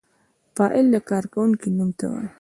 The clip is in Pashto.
فاعل د کار کوونکی نوم ته وايي.